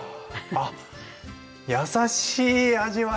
あっ優しい味わい。